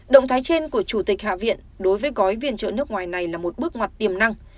động thái trên của chủ tịch hạ viện đối với gói viện trợ nước ngoài này là một bước ngoặt tiềm năng